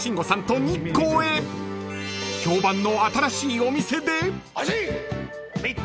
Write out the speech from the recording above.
［評判の新しいお店で］